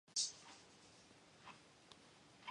His younger brother was Rabbi Moshe of Sambor.